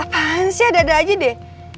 apaan sih ada ada aja deh